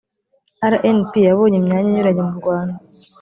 rnp yabonye imyanya inyuranye mu rwanda